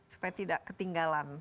supaya tidak ketinggalan